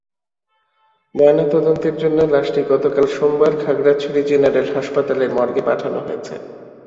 ময়নাতদন্তের জন্য লাশটি গতকাল সোমবার খাগড়াছড়ি জেনারেল হাসপাতালের মর্গে পাঠানো হয়েছে।